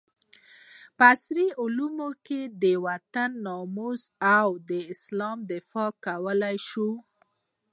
په عصري علومو د وطن ناموس او د اسلام دفاع کولي شو